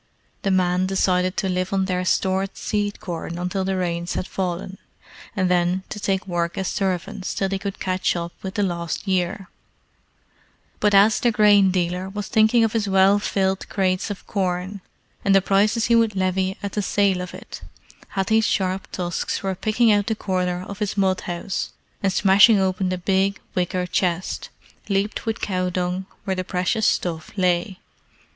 The men decided to live on their stored seed corn until the rains had fallen, and then to take work as servants till they could catch up with the lost year; but as the grain dealer was thinking of his well filled crates of corn, and the prices he would levy at the sale of it, Hathi's sharp tusks were picking out the corner of his mud house, and smashing open the big wicker chest, leeped with cow dung, where the precious stuff lay.